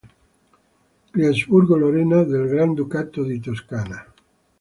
Gli Asburgo-Lorena del Granducato di Toscana